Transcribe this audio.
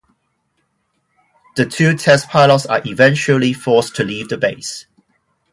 The two test pilots are eventually forced to leave the base.